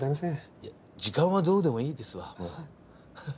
いや時間はどうでもいいですわ。